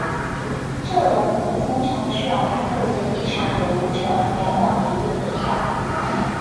这种舞通常需要八个人以上的舞者两两一对地跳。